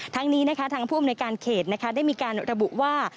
ทั้งนี้ทางผู้อมในการเขตได้มีการระบุว่า